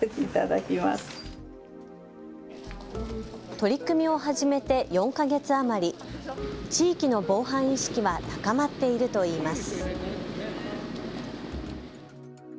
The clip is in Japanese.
取り組みを始めて４か月余り、地域の防犯意識は高まっているといいます。